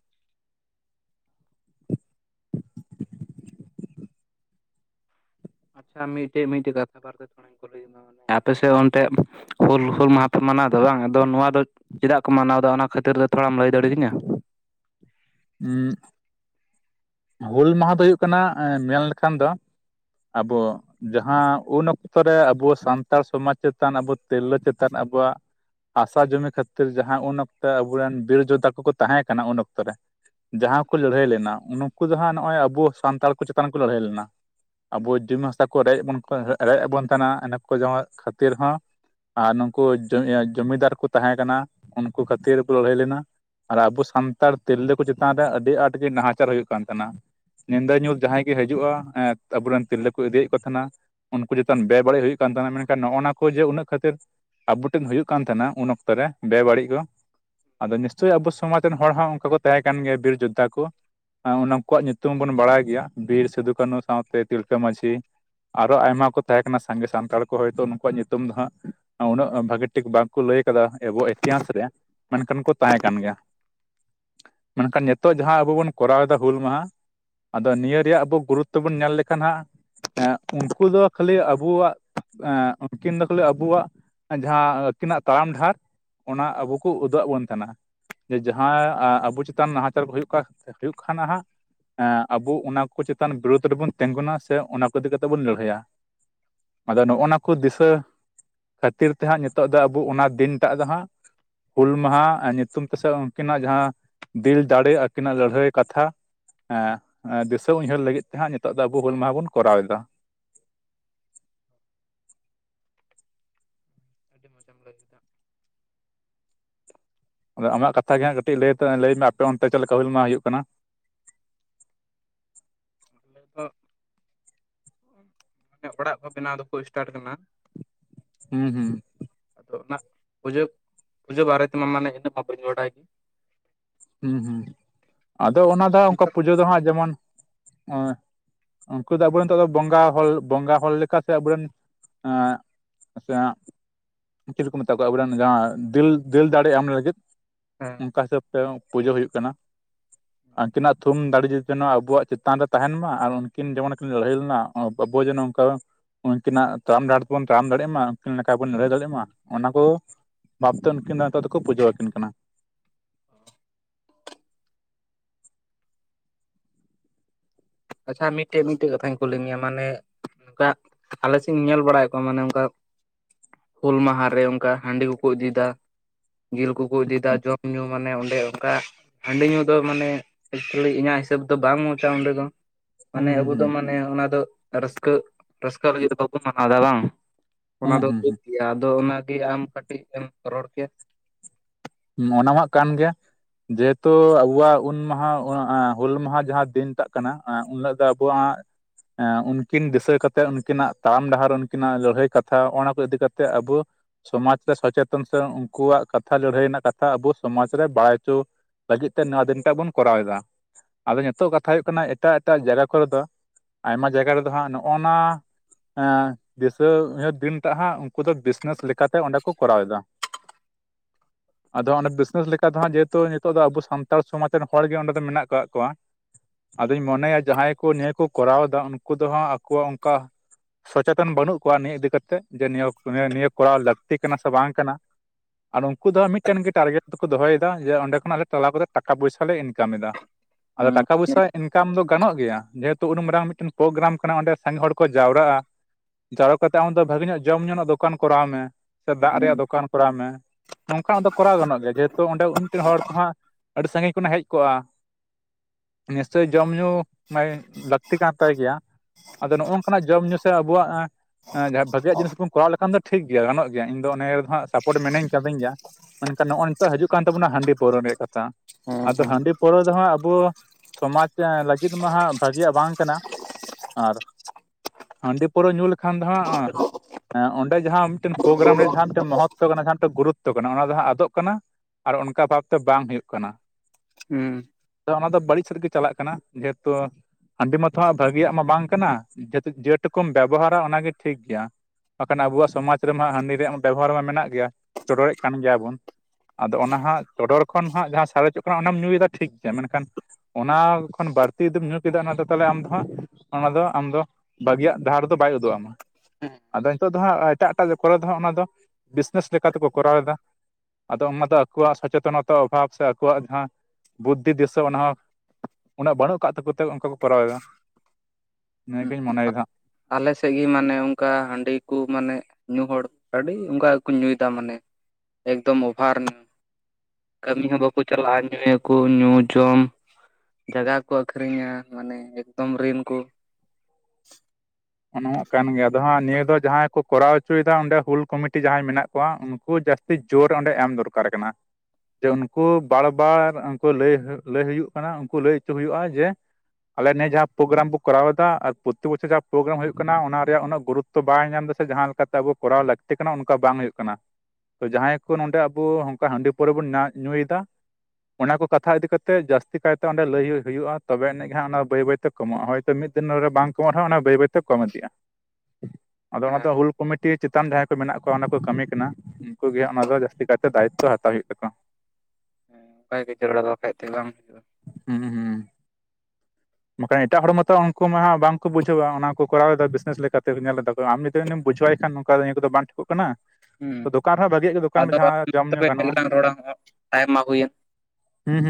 ᱟᱪᱪᱷᱟ ᱢᱤᱫᱴᱮᱡ ᱢᱤᱫᱴᱮᱡ ᱠᱟᱛᱷᱟ ᱵᱟᱨᱛᱮ ᱛᱷᱚᱲᱟᱧ ᱦᱚᱞᱤ ᱢᱟᱦᱟ [inaudible] ᱟᱯᱮ ᱥᱮᱫ ᱚᱱᱛᱮ ᱦᱩᱞ, ᱦᱩᱞ ᱢᱟᱦᱟ ᱯᱮ, ᱢᱟᱱᱟᱣ ᱮᱫᱟ ᱵᱟᱝ? ᱟᱫᱚ, ᱱᱚᱣᱟ ᱫᱚ ᱪᱮᱫᱟᱜ ᱠᱚ ᱢᱟᱱᱟᱣ ᱮᱫᱟ, ᱚᱱᱟ ᱠᱷᱟᱹᱛᱤᱨ ᱛᱮ, ᱛᱷᱚᱲᱟᱢ ᱞᱟᱹᱭ ᱫᱟᱲᱮ ᱠᱤᱧᱟ? ᱦᱩᱸᱻᱜ, ᱦᱩᱞ ᱢᱟᱦᱟ ᱫᱚ, ᱦᱩᱭᱩᱜ ᱠᱟᱱᱟ, ᱢᱮᱱ ᱞᱮᱠᱷᱟᱱ ᱫᱚ, ᱟᱵᱚᱣ ᱡᱟᱦᱟᱸ ᱩᱱ ᱚᱠᱛᱚ ᱨᱮ, ᱟᱵᱚ ᱥᱟᱱᱛᱟᱲ ᱥᱚᱢᱟᱡᱽ ᱪᱮᱛᱟᱱ, ᱟᱵᱚ ᱛᱤᱨᱞᱟᱹ ᱪᱮᱛᱟᱱ, ᱟᱵᱚᱣᱟᱜ ᱦᱟᱥᱟ ᱡᱩᱢᱤ ᱠᱷᱟᱹᱛᱤᱨ, ᱡᱟᱦᱟᱸ ᱩᱱ ᱚᱠᱛᱮ, ᱟᱵᱚ ᱨᱮᱱ ᱵᱤᱨ ᱡᱷᱳᱫᱷᱟ ᱠᱚᱠᱚ, ᱛᱟᱦᱮᱸ ᱠᱟᱱᱟ, ᱩᱱ ᱚᱠᱛᱚ ᱨᱮ ᱡᱟᱦᱟᱸ ᱠᱚ ᱞᱟᱹᱲᱦᱟᱹᱭ ᱞᱮᱱᱟ, ᱩᱱ ᱩᱱᱠᱩ ᱫᱚ ᱦᱟᱸᱜ, ᱱᱚᱜᱼᱚᱭ ᱟᱵᱚ ᱥᱟᱱᱛᱟᱲ ᱠᱚ, ᱪᱮᱛᱟᱱ ᱨᱮ ᱠᱚ, ᱞᱟᱹᱲᱦᱟᱹᱭ ᱞᱮᱱᱟ ᱾ ᱦᱩᱸ ᱟᱵᱚ ᱡᱩᱢᱤ ᱦᱟᱥᱟ ᱠᱚ, ᱨᱮᱡ ᱵᱚᱱ, ᱨᱮᱡ ᱟᱵᱚᱱ ᱠᱟᱱᱟ ᱾ ᱮᱱᱟᱹ ᱠᱚ ᱡᱚ ᱢᱟᱜ ᱠᱷᱟᱹᱛᱤᱨ ᱦᱚᱸ ᱟᱨ, ᱱᱩᱠᱩ ᱡᱚᱢᱤᱫᱟᱨ ᱠᱚ, ᱛᱟᱦᱮᱸ ᱠᱟᱱᱟ ᱾ ᱩᱱᱠᱩ ᱠᱷᱟᱹᱛᱤᱨ ᱠᱚ, ᱞᱟᱹᱲᱦᱟᱹᱭ ᱞᱮᱱᱟ ᱾ ᱟᱨ, ᱟᱵᱚ ᱥᱟᱱᱛᱟᱲ ᱛᱤᱨᱞᱟᱹ ᱠᱚ, ᱪᱮᱛᱟᱱ ᱨᱮ, ᱟᱹᱰᱤ ᱟᱸᱴ ᱜᱮ, ᱱᱟᱦᱟᱪᱟᱨ ᱦᱩᱭᱩᱜ ᱠᱟᱱ ᱛᱟᱦᱮᱸᱱᱟ ᱾ ᱱᱤᱫᱟᱹ ᱧᱩᱛ ᱡᱟᱦᱟᱸᱭ ᱜᱮ, ᱦᱮᱡᱩᱜᱼᱟ ᱾ᱮᱸᱫ ᱟᱵᱚ ᱨᱮᱱ ᱛᱤᱨᱞᱟᱹ ᱠᱚ, ᱤᱫᱤ ᱭᱮᱫ ᱠᱚ, ᱛᱟᱦᱮᱸᱱᱟ ᱾ ᱩᱱᱠᱩ ᱪᱮᱛᱟᱱ, ᱵᱮᱵᱟᱹᱲᱤᱡ ᱦᱩᱭᱩᱜ ᱠᱟᱱ, ᱛᱟᱦᱮᱸᱱᱟ ᱾ ᱢᱮᱱᱠᱷᱟᱱ ᱱᱚᱜᱼᱱᱚᱣᱟ ᱠᱚ, ᱡᱮ, ᱩᱱᱟᱹᱜ ᱠᱷᱟᱹᱛᱤᱨ ᱟᱵᱩᱴᱮᱱ ᱦᱩᱭᱩᱜ ᱠᱟᱱ ᱛᱟᱦᱮᱸᱱᱟ, ᱩᱱ ᱚᱠᱛᱚ ᱨᱮ, ᱵᱮᱵᱟᱹᱲᱤᱡ ᱠᱚ, ᱟᱫᱚ, ᱱᱤᱥᱪᱳᱭ ᱟᱵᱚ, ᱥᱚᱢᱟᱡᱽ ᱨᱮᱱ ᱦᱚᱲ ᱦᱚᱸ, ᱚᱱᱠᱟ ᱠᱚ ᱛᱟᱦᱮᱸ ᱠᱟᱱ ᱜᱮᱭᱟ, ᱵᱤᱨ ᱡᱳᱫᱽᱫᱷᱟ ᱠᱚ ᱩᱱ ᱠᱩᱣᱟᱜ ᱧᱩᱛᱩᱢ ᱵᱚᱱ ᱵᱟᱲᱟᱭ ᱜᱮᱭᱟ, ᱵᱤᱨ ᱥᱤᱫᱩ ᱠᱟᱱᱷᱩ, ᱥᱟᱶᱛᱮ ᱛᱤᱞᱠᱟᱹ ᱢᱟᱹᱡᱷᱤ ᱾ ᱟᱨᱚ ᱟᱭᱢᱟ ᱠᱚ, ᱛᱟᱦᱮᱸ ᱠᱟᱱᱟ, ᱥᱟᱸᱜᱮ ᱥᱟᱱᱛᱟᱲ ᱠᱚ, ᱦᱚᱭ ᱛᱳ ᱱᱩᱠᱩᱣᱟᱜ ᱧᱩᱛᱩᱢ ᱫᱚ, ᱦᱟᱸᱜ ᱩᱱᱟᱹᱜ ᱵᱷᱟᱜᱮ ᱴᱷᱤᱠ ᱵᱟᱝ ᱠᱚ, ᱞᱟᱹᱭ ᱟᱠᱟᱫᱟ, ᱥᱮ ᱟᱵᱚᱣᱟᱜ ᱤᱛᱤᱦᱟᱸᱥ ᱨᱮ, ᱢᱮᱱᱠᱷᱟᱱ ᱠᱚ, ᱛᱟᱦᱮᱸ ᱠᱟᱱ ᱜᱮᱭᱟ ᱾ ᱢᱮᱱᱠᱷᱟᱱ, ᱱᱤᱛᱚᱜ ᱡᱟᱦᱟᱸ ᱟᱵᱚ ᱵᱚᱱ, ᱠᱚᱨᱟᱣ ᱮᱫᱟ, ᱦᱩᱞ ᱢᱟᱦᱟ ᱟᱫᱚ ᱱᱤᱭᱟᱹ ᱨᱮᱭᱟᱜ, ᱟᱵᱚ ᱜᱩᱨᱩᱛᱛᱚ ᱵᱚᱱ ᱧᱮᱞ ᱞᱮᱠᱷᱟᱱ ᱦᱟᱸᱜ, ᱮᱸ ᱩᱱᱠᱩ ᱫᱚ ᱠᱷᱟᱹᱞᱤ ᱟᱵᱚᱣᱟᱜ ᱮᱸᱼᱩᱱᱠᱤᱱ ᱫᱚ, ᱠᱷᱟᱹᱞᱤ ᱟᱵᱚᱣᱟᱜ, ᱡᱟᱦᱟᱸ ᱟᱹᱠᱤᱱᱟᱜ ᱛᱟᱲᱟᱢ ᱰᱟᱦᱟᱨ ᱚᱱᱟ, ᱟᱵᱚ ᱠᱚ, ᱩᱫᱩᱜ ᱟᱵᱚᱱ ᱠᱟᱱᱟ ᱾ ᱡᱮ ᱡᱟᱦᱟᱸ ᱟᱵᱚ, ᱪᱮᱛ ᱛᱟᱱ, ᱱᱟᱦᱟᱪᱟᱨ ᱠᱚ ᱦᱩᱭᱩᱜ ᱠᱟ, ᱦᱩᱭᱩᱜ ᱠᱷᱟᱱ ᱱᱷᱟᱜ ᱮᱸᱼ ᱟᱵᱩ ᱚᱱᱟ ᱠᱚ, ᱪᱮᱛᱟᱱ ᱵᱤᱨᱩᱫᱷ ᱨᱮᱵᱚᱱ ᱛᱮᱜᱩᱱᱟ, ᱥᱮ ᱚᱱᱟ ᱠᱚ, ᱤᱫᱤ ᱠᱟᱛᱮᱜ ᱵᱚᱱ, ᱞᱟᱹᱲᱦᱟᱹᱭᱟ? ᱟᱫᱚ ᱱᱚᱜᱼᱚ ᱱᱟ ᱠᱚ ᱫᱤᱥᱟᱹ ᱠᱷᱟᱹᱛᱤᱨ ᱛᱮ ᱦᱟᱸᱜ, ᱱᱤᱛᱚᱜ ᱫᱚ ᱟᱵᱚ, ᱚᱱᱟ ᱫᱤᱱᱴᱟᱜ ᱫᱚ ᱦᱟᱸᱜ ᱦᱩᱞ ᱢᱟᱦᱟ ᱧᱩᱛᱩᱢ ᱛᱮᱥᱮ, ᱩᱱᱠᱤᱱᱟᱜ ᱡᱟᱦᱟᱸ ᱫᱤᱞ ᱫᱟᱲᱮ, ᱟᱹᱠᱤᱱᱟᱜ ᱞᱟᱹᱲᱦᱟᱹᱭ ᱠᱟᱛᱷᱟ ᱮᱸᱼ ᱫᱤᱥᱟᱹ ᱩᱭᱦᱟᱹᱨ ᱞᱟᱹᱜᱤᱫ ᱛᱮ ᱦᱟᱸᱜ, ᱱᱤᱛᱚᱜ ᱫᱚ, ᱟᱵᱚ ᱦᱩᱞ ᱢᱟᱦᱟ ᱵᱚᱱ, ᱠᱚᱨᱟᱣ ᱮᱫᱟ ᱾ ᱟᱹᱰᱤ ᱢᱚᱸᱡᱽ ᱮᱢ ᱞᱟᱹᱭ ᱠᱮᱫᱟ ᱾ [inaudible] ᱟᱫᱚ, ᱟᱢᱟᱜ ᱠᱟᱛᱷᱟ ᱜᱮ ᱦᱟᱸᱜ, ᱠᱟᱹᱴᱤᱡ ᱞᱟᱹᱭ ᱛᱟᱞᱝ ᱞᱟᱹᱭ ᱢᱮ, ᱟᱯᱮ ᱚᱱᱛᱮ, ᱪᱮᱫ ᱞᱮᱠᱟ ᱦᱩᱞ ᱢᱟᱦᱟ ᱦᱩᱭᱩᱜ ᱠᱟᱱᱟ? ᱚᱜ ᱾ [unintelligible] ᱢᱮ ᱚᱲᱟᱜ ᱠᱚ, ᱵᱮᱱᱟᱣ ᱫᱚᱠᱚ, ᱮᱥᱴᱟᱴ ᱟᱠᱟᱱᱟ ᱾ ᱦᱩᱸᱻ ᱦᱩᱸ ᱾ ᱟᱫᱚ, ᱚᱱᱟ ᱯᱩᱡᱟᱹ, ᱯᱩᱡᱟᱹ ᱵᱟᱨᱮ ᱛᱮᱢᱟ ᱢᱟᱢᱟᱱᱮ, ᱤᱱᱟᱹᱜ ᱢᱟ ᱵᱟᱹᱧ ᱵᱟᱰᱟᱭ ᱾ ᱦᱩᱸᱼ ᱦᱩᱸ ᱟᱫᱚ, ᱚᱱᱟ ᱫᱚ ᱚᱱᱠᱟ ᱢᱮᱱᱠᱷᱟᱱ ᱯᱩᱡᱟᱹ ᱫᱚ ᱦᱟᱸᱜ, ᱡᱮᱢᱚᱱ ᱩᱱᱠᱩ ᱫᱚ, ᱟᱵᱚ ᱨᱮᱱ ᱱᱤᱛᱚᱜ ᱫᱚ, ᱵᱚᱸᱜᱟ ᱦᱚᱲ, ᱵᱚᱸᱜᱟ ᱦᱚᱲ ᱞᱮᱠᱟ ᱥᱮ, ᱟᱵᱚ ᱨᱮᱱ ᱮᱸᱻ ᱥᱮ ᱦᱟᱸᱜ ᱾ ᱪᱤᱞᱤ ᱠᱚ ᱢᱮᱛᱟ ᱠᱚᱣᱟ, ᱟᱵᱚ ᱨᱮᱱ ᱡᱟᱦᱟᱸ ᱫᱤᱞ, ᱫᱤᱞ ᱫᱟᱲᱮ ᱮᱢ ᱞᱟᱹᱜᱤᱫ, ᱦᱮᱸ ᱚᱱᱠᱟ ᱦᱤᱥᱟᱹᱵ ᱛᱮ ᱯᱩᱡᱟᱹ, ᱦᱩᱭᱩᱜ ᱠᱟᱱᱟ ᱾ ᱟᱹᱠᱤᱱᱟᱜ ᱛᱷᱩᱢ ᱫᱟᱲᱮ ᱡᱩᱫᱤ ᱛᱟᱦᱮᱱᱟ, ᱟᱵᱚᱣᱟᱜ ᱪᱮᱛᱟᱱ ᱨᱮ ᱛᱟᱦᱮᱸᱱ ᱢᱟ, ᱟᱨ ᱩᱱᱠᱤᱱ ᱡᱮᱢᱚᱱ ᱠᱤᱱ ᱞᱟᱹᱲᱦᱟᱹᱭ ᱞᱮᱱᱟ, ᱟᱵᱚ ᱡᱮ ᱱᱚᱝᱠᱟ ᱵᱟᱝ ᱩᱱᱠᱤᱱᱟᱜ, ᱛᱟᱲᱟᱢ ᱰᱟᱦᱟᱨ ᱛᱮᱵᱚᱱ, ᱛᱟᱲᱟᱢ ᱫᱟᱲᱮᱭᱟᱜ ᱢᱟ, ᱩᱱᱠᱤᱱ ᱞᱮᱠᱟ ᱵᱚᱱ, ᱞᱟ. ᱲᱦᱟᱹᱭ ᱫᱟᱲᱮᱭᱟᱜ ᱢᱟ ᱾ ᱢᱟ, ᱚᱱᱟ ᱠᱚ ᱵᱟᱵᱛᱮ, ᱩᱱᱠᱤᱱ ᱫᱚ, ᱱᱮᱛᱳᱜ ᱫᱚᱠᱚ ᱯᱩᱡᱟᱹᱣ ᱟᱠᱤᱱ ᱠᱟᱱᱟ ᱾ ᱟᱪᱪᱷᱟ ᱢᱤᱫᱴᱮᱡ, ᱢᱤᱫᱴᱮᱡ ᱠᱟᱛᱷᱟᱧ ᱠᱩᱞᱤ ᱢᱮᱭᱟ, ᱢᱟᱱᱮ ᱠᱟᱜ ᱾ ᱟᱞᱮ ᱥᱮᱫᱤᱧ ᱧᱮᱞ ᱵᱟᱲᱟ ᱭᱮᱫ ᱠᱚᱣᱟ ᱾ ᱢᱟᱱᱮ ᱚᱱᱠᱟ ᱦᱩᱞ ᱢᱟᱦᱟ ᱨᱮ, ᱚᱱᱠᱟ ᱦᱟᱺᱰᱤ ᱠᱚᱠᱚ, ᱤᱫᱤ ᱮᱫᱟ ᱾ ᱡᱤᱞ ᱠᱩ ᱠᱩ ᱤᱫᱤ ᱫᱟ ᱡᱚᱢ ᱧᱩ ᱢᱟᱱᱮ ᱚᱸᱰᱮ ᱚᱠᱟ ᱦᱟᱺᱰᱤ ᱧᱩ ᱫᱚ ᱢᱟᱱᱮ ᱮᱠᱪᱩᱣᱟᱹᱞᱤ ᱤᱧᱟᱹᱜ ᱦᱤᱥᱟᱹᱵ ᱫᱚ ᱵᱟᱝ ᱢᱚᱪᱟ ᱚᱸᱰᱮ ᱫᱚ᱾ ᱦᱩᱸ ᱢᱟᱱᱮ ᱦᱩᱸ ᱟᱵᱚ ᱫᱚ ᱦᱩᱸ ᱢᱟᱱᱮ ᱚᱱᱟ ᱫᱚ ᱨᱟᱹᱥᱠᱟᱹᱜ ᱨᱟᱹᱥᱠᱟᱹ ᱞᱟᱹᱜᱤᱫ ᱫᱚ ᱵᱟᱵᱚᱱ ᱢᱟᱱᱟᱣᱫᱟ ᱵᱟᱝ᱾ ᱚᱱᱟ ᱦᱩᱸ ᱫᱚ ᱦᱩᱭᱩᱜ ᱦᱩᱸ ᱜᱮᱭᱟ ᱟᱫᱚ ᱚᱱᱟ ᱜᱮ ᱟᱢ ᱠᱟᱹᱴᱤᱡ ᱮᱢ ᱨᱚᱲ ᱠᱮᱫ᱾ ᱦᱩ ᱚᱱᱟ ᱢᱟ ᱠᱟᱱ ᱜᱮᱭᱟ᱾ ᱡᱮᱦᱮᱛᱩ ᱟᱵᱚᱣᱟᱜ ᱩᱱ ᱢᱟᱦᱟᱸ ᱦᱩᱞ ᱢᱟᱦᱟᱸ ᱡᱟᱦᱟᱸ ᱫᱤᱱ ᱴᱟᱜ ᱠᱟᱱᱟ ᱩᱱ ᱦᱤᱞᱚᱜ ᱫᱚ ᱟᱵᱚᱣᱟᱜ ᱦᱮᱸ ᱩᱱᱠᱤᱱ ᱫᱤᱥᱟᱹ ᱠᱟᱛᱮᱫ ᱩᱱ ᱠᱤᱱᱟᱜ ᱛᱟᱲᱟᱢ ᱰᱟᱦᱟᱨ ᱩᱱ ᱠᱤᱱᱟᱜ ᱞᱟᱹᱲᱦᱟᱹᱭ ᱠᱟᱛᱷᱟ ᱚᱱᱟ ᱠᱚ ᱤᱫᱤ ᱠᱟᱛᱮᱜ ᱟᱵᱚ᱾ ᱥᱚᱢᱟᱡᱽ ᱥᱮ ᱥᱚᱪᱮᱛᱚᱱ ᱥᱮ ᱩᱱ ᱠᱩᱣᱟᱜ ᱠᱟᱛᱷᱟ ᱞᱟᱹᱲᱦᱟᱹᱭ ᱱᱟ᱾ ᱠᱟᱛᱷᱟ ᱟᱵᱚ ᱥᱚᱢᱟᱡᱽ ᱨᱮ ᱵᱟᱲᱟᱭ ᱪᱚ ᱞᱟᱹᱜᱤᱫ ᱛᱮ ᱱᱚᱣᱟ ᱫᱤᱱ ᱴᱟᱜ ᱵᱚᱱ ᱠᱚᱨᱟᱣ ᱫᱟ᱾ ᱟᱫᱚ ᱱᱤᱛᱚᱜ ᱠᱟᱛᱷᱟ ᱦᱩᱭᱩᱜ ᱠᱟᱱᱟ ᱮᱴᱟᱜ ᱮᱴᱟᱜ ᱡᱟᱭᱜᱟ ᱠᱚᱨᱮ ᱫᱚ ᱟᱭᱢᱟ ᱡᱟᱭᱜᱟ ᱨᱮᱫᱚ ᱦᱟᱸᱜ ᱱᱚᱜ ᱱᱟ᱾ ᱦᱮᱸ ᱫᱤᱥᱟᱹ ᱩᱭᱦᱟ. ᱨ ᱫᱤᱱ ᱴᱟᱜ ᱦᱟᱸᱜ ᱩᱱᱠᱩ ᱫᱚ ᱵᱤᱡᱽᱱᱮᱥ ᱞᱮᱠᱟᱛᱮ ᱚᱸᱰᱮ ᱠᱚ ᱠᱚᱨᱟᱣ ᱫᱟ᱾ ᱟᱫᱚ ᱚᱸᱰᱮ ᱵᱤᱡᱽᱱᱮᱥ ᱞᱮᱠᱟ ᱫᱚ ᱦᱟᱸᱜ ᱡᱮ ᱛᱚ ᱱᱤᱛᱚᱜ ᱫᱚ ᱟᱵᱚ ᱥᱟᱱᱛᱟᱲ ᱥᱚᱢᱟᱡᱽ ᱨᱮᱱ ᱦᱚᱲᱜᱮ ᱚᱸᱰᱮ ᱫᱚ ᱢᱮᱱᱟᱜ ᱠᱟᱜ ᱠᱚᱣᱟ᱾ ᱟᱫᱚᱧ ᱢᱚᱱᱮᱭᱟ ᱡᱟᱦᱟᱸᱭ ᱠᱚ ᱱᱤᱭᱟᱹ ᱠᱚ ᱠᱚᱨᱟᱣ ᱫᱟ ᱩᱱᱠᱩ ᱫᱚ ᱦᱟᱸᱜ ᱟᱠᱚᱣᱟᱜ ᱚᱱᱠᱟ᱾ ᱥᱚᱪᱮᱛᱚᱱ ᱵᱟᱹᱱᱩᱜ ᱠᱚᱣᱟ ᱱᱤᱭᱟᱹ ᱤᱫᱤ ᱠᱟᱛᱮᱜ ᱡᱮ ᱱᱤᱭᱟᱹ ᱚᱠᱛᱚ ᱱᱤᱭᱟᱹ ᱠᱚᱨᱟᱣ ᱞᱟᱹᱠᱛᱤ ᱠᱟᱱᱟ ᱥᱮ ᱵᱟᱝ ᱠᱟᱱᱟ᱾ ᱟᱨ ᱩᱱᱠᱩ ᱫᱚ ᱦᱟᱸᱜ ᱢᱤᱫ ᱢᱤᱫ ᱴᱮᱱ ᱜᱮ ᱴᱟᱨᱜᱮᱴ ᱫᱚ ᱠᱚ ᱫᱚᱦᱚᱭᱫᱟ ᱡᱮ ᱚᱸᱰᱮ ᱠᱷᱚᱱ ᱟᱞᱮ [unintelligible] ᱨᱮ ᱴᱟᱠᱟ ᱯᱚᱭᱥᱟ ᱞᱮ ᱤᱱᱠᱟᱢ ᱮᱫᱟ ᱟᱫᱚ ᱦᱩᱸ ᱴᱟᱠᱟ ᱴᱟᱠᱟ ᱦᱩᱸ ᱯᱚᱭᱥᱟ ᱤᱱᱠᱟᱢ ᱫᱚ ᱜᱟᱱᱚᱜ ᱜᱮᱭᱟ ᱡᱮ ᱛᱚ ᱩᱱ ᱢᱟᱨᱟᱝ ᱢᱤᱫᱴᱮᱱ ᱯᱨᱳᱜᱨᱟᱢ ᱠᱟᱱᱟ ᱚᱸᱰᱮ ᱥᱟᱸᱜᱮ ᱦᱚᱲ ᱠᱚ ᱡᱟᱣᱨᱟᱜᱼᱟ᱾ ᱡᱟᱣᱨᱟ ᱠᱟᱛᱮ ᱟᱢ ᱫᱚ ᱵᱷᱟᱜᱤ ᱧᱚᱜ ᱡᱚᱢ ᱧᱩ ᱨᱮᱭᱟᱜ ᱫᱚᱠᱟᱱ ᱠᱚᱨᱟᱣ ᱢᱮ᱾ ᱥᱮ ᱫᱟᱜ ᱨᱮᱭᱟᱜ ᱫᱚᱠᱟᱱ ᱠᱚᱨᱟᱣ ᱢᱮ ᱱᱚᱝᱠᱟ ᱠᱚᱨᱟᱣ ᱜᱟᱱᱚᱜ ᱜᱮᱭᱟ ᱡᱮᱦᱩᱛᱩ ᱚᱸᱰᱮ ᱩᱱᱠᱤᱱ ᱦᱚᱲ ᱛᱚ ᱦᱟᱸᱜ ᱟᱹᱰᱤ ᱥᱟᱹᱜᱤᱧ ᱠᱷᱚᱱᱮ ᱦᱮᱡ ᱠᱚᱜᱼᱟ᱾ ᱱᱤᱥᱪᱳᱭ ᱡᱚᱢ ᱧᱩ ᱢᱟ ᱞᱟᱹᱠᱛᱤ ᱠᱟᱱ ᱛᱟᱭ ᱜᱮᱭᱟ᱾ ᱟᱫᱚ ᱱᱚᱜ ᱚ ᱱᱚᱝᱠᱟ ᱱᱟᱜ ᱡᱚᱢ ᱧᱩ ᱥᱮ ᱟᱵᱚ ᱣᱟᱜ ᱦᱮᱸ ᱡᱟᱸᱦᱟ ᱵᱷᱟᱹᱜᱮᱭᱟᱜ ᱡᱤᱱᱤᱥ ᱵᱚᱱ ᱠᱚᱨᱟᱣ ᱞᱮᱠᱷᱟᱱ ᱫᱚ ᱴᱷᱤᱠ ᱜᱮᱭᱟ ᱜᱟᱱᱚᱜ ᱜᱮᱭᱟ ᱤᱧᱫᱚ ᱱᱤᱭᱟ‌. ᱨᱮᱫᱚ ᱦᱟᱸᱜ ᱥᱟᱯᱚᱴ ᱢᱤᱱᱟᱹᱧ ᱠᱟᱹᱫᱤᱧ ᱜᱮᱭᱟ᱾ ᱢᱮᱱᱠᱷᱟᱱ ᱱᱚᱜᱼᱚᱭ ᱱᱤᱛᱚᱜ ᱦᱤᱡᱩᱜ ᱠᱟᱱ ᱛᱟᱵᱚᱱᱟ ᱦᱟᱺᱰᱤ ᱯᱟᱹᱣᱨᱟᱹ ᱨᱮᱭᱟᱜ ᱠᱟᱛᱷᱟ᱾ ᱟᱫᱚ ᱦᱟᱺᱰᱤ ᱯᱟᱹᱣᱨᱟᱹ ᱫᱚ ᱦᱟᱸᱜ ᱟᱵᱚ ᱥᱚᱢᱟᱡᱽ ᱞᱟᱹᱜᱤᱫ ᱢᱟ ᱦᱟᱸᱜ ᱵᱷᱟᱹᱜᱤᱭᱟᱜ ᱵᱟᱝ ᱠᱟᱱᱟ᱾ ᱟᱨ ᱦᱟᱺᱰᱤ ᱯᱟᱹᱣᱨᱟᱹ ᱧᱩ ᱞᱮᱠᱷᱟᱱ ᱫᱚ ᱦᱟᱸᱜ ᱦᱮᱸ ᱚᱸᱰᱮ ᱡᱟᱦᱟᱸ ᱢᱤᱫᱴᱮᱱ ᱯᱨᱳᱜᱨᱟᱢ ᱨᱮ ᱡᱟᱦᱟᱸ ᱢᱤᱫᱴᱮᱱ ᱢᱚᱦᱚᱛᱛᱚ ᱠᱟᱱᱟ ᱡᱟᱦᱟᱸ ᱢᱤᱫᱴᱟᱝ ᱜᱩᱨᱩᱛᱛᱚ ᱠᱟᱱᱟ ᱚᱱᱟ ᱫᱚ ᱦᱟᱸᱜ ᱞᱟ. ᱜᱤᱫᱚᱜ ᱠᱟᱱᱟ ᱟᱨ ᱚᱱᱠᱟ ᱵᱷᱟᱵ ᱛᱮ ᱵᱟᱝ ᱦᱩᱭᱩᱜ ᱠᱟᱱᱟ᱾ ᱦᱩ ᱟᱫᱚ ᱚᱱᱟ ᱫᱚ ᱵᱟᱹᱲᱤᱡ ᱥᱮᱫ ᱜᱮ ᱪᱟᱞᱟᱜ ᱠᱟᱱᱟ ᱡᱮᱦᱩᱛᱩ ᱦᱟᱺᱰᱤ ᱢᱟᱛᱚ ᱦᱟᱸᱜ ᱵᱷᱟᱹᱜᱤᱭᱟᱜ ᱢᱟ ᱵᱟᱝ ᱠᱟᱱᱟ ᱡᱮ ᱴᱩᱠᱩᱢ ᱵᱮᱵᱚᱦᱟᱨᱟ ᱚᱱᱟ ᱜᱮ ᱴᱷᱤᱠ ᱜᱮᱭᱟ᱾ ᱵᱟᱠᱷᱟᱱ ᱟᱵᱚᱣᱟᱜ ᱥᱚᱢᱟᱡᱽ ᱨᱮᱢᱟ ᱦᱟᱺᱰᱤ ᱨᱮᱭᱟᱜ ᱵᱮᱵᱚᱦᱟᱨ ᱢᱟ ᱢᱮᱱᱟᱜ ᱜᱮᱭᱟ ᱪᱚᱰᱚᱨᱮᱫ ᱠᱟᱱ ᱜᱮᱭᱟ ᱵᱚᱱ᱾ ᱟᱫᱚ ᱚᱱᱟ ᱦᱟᱸᱜ ᱪᱚᱰᱚᱨ ᱠᱷᱚᱱ ᱦᱟᱸᱜ ᱡᱟᱦᱟᱸ ᱥᱟᱨᱮᱡᱚᱜ ᱠᱟᱱᱟ ᱚᱱᱟᱢ ᱧᱩᱭᱮᱫᱟ ᱴᱷᱤᱠ ᱜᱮᱭᱟ ᱢᱮᱱᱠᱷᱟᱱ᱾ ᱚᱱᱟ ᱠᱷᱚᱱ ᱵᱟᱹᱲᱛᱤ ᱡᱩᱫᱤᱢ ᱧᱩ ᱠᱮᱫᱟ ᱚᱱᱟ ᱫᱚ ᱛᱟᱦᱚᱞᱮ ᱟᱢ ᱫᱚ ᱦᱟᱸᱜ ᱚᱱᱟ ᱫᱚ ᱟᱢᱫᱚ᱾ ᱵᱟᱹᱜᱤᱭᱟᱜ ᱰᱟᱦᱟᱨ ᱫᱚ ᱵᱟᱭ ᱩᱫᱩᱜ ᱟᱢᱟ᱾ ᱦᱮᱸ ᱟᱫᱚ ᱱᱤᱛᱚᱜ ᱫᱚ ᱦᱟᱸᱜ ᱮᱴᱟᱜ ᱮᱴᱟᱜ ᱠᱚᱨᱮ ᱫᱟ ᱦᱟᱸᱜ ᱚᱱᱟ ᱫᱚ ᱵᱤᱡᱽᱱᱮᱥ ᱞᱮᱠᱟ ᱛᱮᱠᱚ ᱠᱚᱨᱟᱣ ᱫᱟ ᱾ ᱟᱫᱚ ᱚᱱᱟ ᱫᱚ ᱟᱠᱚᱣᱟᱜ ᱥᱚᱪᱮᱛᱚᱱᱚᱛᱚ ᱚᱵᱷᱟᱵ ᱥᱮ ᱟᱠᱚᱣᱟᱜ ᱡᱟᱦᱟᱸ ᱵᱩᱫᱽᱫᱷᱤ ᱫᱤᱥᱟᱹ ᱚᱱᱟ ᱦᱚᱸ ᱩᱱᱟᱹᱜ ᱵᱟᱹᱱᱩᱜ ᱠᱟᱜ ᱛᱟᱠᱚ ᱛᱮ ᱚᱱᱠᱟ ᱠᱚ ᱠᱚᱨᱟᱣᱫᱟ ᱦᱩᱸ ᱱᱤᱭᱟᱹᱜᱤᱧ ᱢᱚᱱᱮᱭ ᱫᱟ ᱦᱟᱸᱜ ᱾ ᱟᱞᱮ ᱥᱮᱫ ᱜᱮ ᱢᱟᱱᱮ ᱚᱱᱠᱟ ᱦᱟᱺᱰᱤ ᱠᱚ ᱢᱟᱱᱮ᱾ ᱧᱩ ᱦᱚᱲ ᱟᱹᱰᱤ ᱚᱱᱠᱟ ᱜᱮᱠᱚ ᱧᱩᱭ ᱫᱟ ᱢᱟᱱᱮ ᱮᱠᱫᱚᱢ ᱚᱵᱷᱟᱨ ᱠᱟᱹᱢᱤ ᱦᱚᱸ ᱵᱟᱠᱚ ᱪᱟᱞᱟᱜᱼᱟ ᱧᱩ ᱭᱟᱠᱚ ᱧᱩ ᱡᱚᱢ᱾ ᱡᱟᱭᱜᱟ ᱠᱚ ᱟᱹᱷᱨᱤᱧᱟ ᱢᱟᱱᱮ ᱮᱠᱫᱚᱢ ᱨᱤᱱ ᱠᱚ ᱚᱱᱟ ᱢᱟ ᱠᱟᱱ ᱜᱮᱭᱟ ᱟᱫᱚ ᱦᱟᱸᱜ ᱱᱤᱭᱟᱹ ᱫᱚ ᱡᱟᱦᱟᱸᱭ ᱠᱚ᱾ ᱠᱚᱨᱟᱣ ᱦᱚᱪᱚᱭᱮᱫᱟ ᱚᱸᱰᱮ ᱦᱩᱞ ᱠᱚᱢᱤᱴᱤ ᱡᱟᱦᱟᱸᱭ ᱢᱮᱱᱟᱜ ᱠᱚᱣᱟ ᱩᱱᱠᱩ ᱡᱟᱹᱥᱛᱤ ᱡᱳᱨ ᱚᱸᱰᱮ ᱮᱢ ᱫᱚᱨᱠᱟᱨ ᱠᱟᱱᱟ᱾ ᱡᱮ ᱩᱱᱠᱩ ᱵᱟᱨ ᱵᱟᱨ ᱩᱱᱠᱩ ᱞᱟᱹᱭ, ᱞᱟᱹᱭ ᱦᱩᱭᱩᱜ ᱠᱟᱱᱟ ᱩᱱᱠᱩ ᱞᱟᱹᱭ ᱦᱚᱪᱚ ᱦᱩᱭᱩᱜᱼᱟ ᱡᱮ᱾ ᱟᱞᱮ ᱱᱮ ᱡᱟᱦᱟ ᱯᱳᱜᱨᱟᱢ ᱵᱚ ᱠᱚᱨᱟᱣᱮᱫᱟ ᱟᱨ ᱯᱩᱨᱛᱤ ᱵᱚᱪᱷᱚᱨ ᱡᱟ ᱯᱳᱜᱨᱟᱢ ᱦᱩᱭᱩᱜ ᱠᱟᱱᱟ, ᱚᱱᱟ ᱨᱮᱭᱟᱜ ᱩᱱᱟᱹᱜ ᱜᱩᱨᱩᱛᱛᱚ ᱵᱟᱭ ᱧᱟᱢ ᱫᱟᱥᱮ ᱡᱟᱦᱟᱸ ᱞᱮᱠᱟᱛᱮ ᱟᱵᱚ ᱠᱚᱨᱟᱣ ᱞᱟᱠᱛᱤ ᱠᱟᱱᱟ, ᱚᱱᱠᱟ ᱵᱟᱝ ᱩᱭᱩᱜ ᱠᱟᱱᱟ᱾ ᱛᱚ ᱡᱟᱦᱟᱸᱭ ᱠᱚ ᱱᱚᱰᱮ ᱟᱵᱚ, ᱦᱚᱝᱠᱟ ᱦᱟᱸᱰᱤ ᱯᱟᱹᱣᱨᱟᱹ ᱵᱚᱱ ᱧᱟ ᱧᱩᱭᱮᱫᱟ, ᱚᱱᱟ ᱠᱚ ᱠᱟᱛᱷᱟ ᱤᱫᱤ ᱠᱟᱛᱮᱜ ᱡᱟᱥᱛᱤ ᱠᱟᱭᱛᱮ ᱚᱸᱰᱮ ᱞᱟᱹᱭᱩ, ᱦᱩᱭᱩᱜᱼᱟ᱾ ᱛᱚᱵᱮ ᱮᱱᱮᱡ ᱜᱮ ᱦᱟᱸᱜ ᱚᱱᱟ ᱵᱟᱹᱭ-ᱵᱟᱹᱭ- -ᱛᱮ ᱠᱚᱢᱚᱜᱼᱚ᱾ ᱦᱚᱭᱛᱳ ᱢᱤᱜ ᱫᱤᱱ ᱨᱮ ᱵᱟᱝ ᱠᱚᱢᱚᱜ ᱨᱮᱦᱚᱸ, ᱚᱱᱟ ᱵᱟᱹᱭ ᱵᱟᱹᱭᱛᱮ ᱠᱚᱢ ᱤᱫᱤᱜᱼᱟ᱾ ᱟᱫᱚ, ᱚᱱᱟᱫᱚ ᱦᱮᱸ ᱦᱩᱞ ᱠᱚᱢᱤ- -ᱴᱤ ᱪᱮᱹᱛᱟᱱ ᱡᱟᱦᱟᱸᱭ ᱠᱚ ᱢᱮᱱᱟᱜ ᱠᱚᱣᱟ, ᱚᱱᱟ ᱠᱚ ᱠᱟᱹᱢᱤ ᱠᱟᱱᱟ᱾ ᱩᱱᱠᱩ ᱜᱮ ᱚᱱᱟ ᱫᱚ ᱡᱟᱹᱥᱛᱤ ᱠᱟᱭᱛᱮ ᱫᱟᱭᱤᱛᱚ ᱦᱟᱛᱟᱣ ᱩᱭᱩᱜ ᱛᱟᱠᱚᱣᱟᱸ᱾ ᱵᱟᱭ [inaudible] ᱵᱟᱠᱟᱡ ᱛᱮ ᱵᱟᱝ ᱦᱤᱡᱩᱜᱼᱟ᱾ ᱦᱩᱸ-ᱦᱩᱸ, ᱦᱩᱸ᱾ ᱵᱟᱠᱷᱟᱸᱡ ᱮᱴᱟᱜ ᱦᱚᱲ ᱢᱟᱛᱚ ᱩᱝᱠᱩ ᱢᱟᱦᱟᱜ ᱵᱟᱝᱠᱚ ᱵᱩᱡᱷᱟᱹᱣᱟ, ᱚᱱᱟ ᱠᱚ ᱠᱚᱲᱟᱣᱮᱫᱟ ᱵᱤᱥᱱᱮᱥ ᱞᱮᱠᱟᱛᱮ ᱵᱤᱸ ᱧᱮᱞᱮᱫᱟ᱾ ᱛᱚ ᱟᱢᱱᱤ-ᱛᱮᱢᱱᱤᱢ ᱵᱩᱡᱷᱟᱹᱣᱟᱭ ᱠᱷᱟᱱ, ᱱᱚᱝᱠᱟ ᱤᱸᱭᱟᱹ ᱠᱚᱫᱚ ᱵᱟᱝ ᱴᱤᱠᱚᱜ ᱠᱟᱱᱟ᱾ ᱦᱩᱸ ᱫᱚᱠᱟᱱ ᱨᱮᱦᱚᱸ ᱵᱟᱹᱜᱤᱭᱟᱜ ᱜᱮ, ᱫᱚᱠᱟᱱ ᱫᱚ ᱟᱫᱚ ᱡᱟᱦᱟᱸ ᱡᱚᱢ ᱧᱩ ᱛᱚᱵᱮ ᱜᱟᱱᱚᱜᱼᱟ᱾ ᱜᱮᱞᱟᱝ ᱨᱚᱲᱟ ᱦᱚᱸᱜ ᱴᱟᱭᱤᱢ ᱢᱟ ᱦᱩᱭᱮᱱ ᱦᱩᱸ-ᱦᱩᱸ᱾